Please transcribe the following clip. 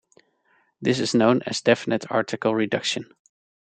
This is known as definite article reduction.